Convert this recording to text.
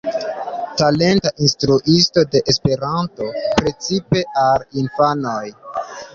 Talenta instruisto de Esperanto, precipe al infanoj.